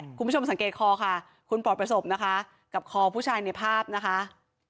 คุณผู้ชมสังเกตคอค่ะคุณปอดประสบนะคะกับคอผู้ชายในภาพนะคะ